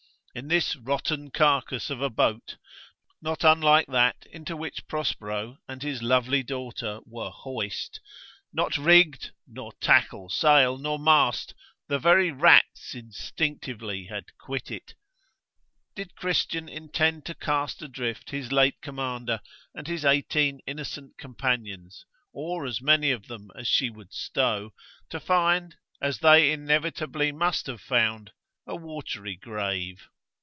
In this 'rotten carcass of a boat,' not unlike that into which Prospero and his lovely daughter were 'hoist,' not rigg'd, Nor tackle, sail, nor mast; the very rats Instinctively had quit it, did Christian intend to cast adrift his late commander and his eighteen innocent companions, or as many of them as she would stow, to find, as they inevitably must have found, a watery grave.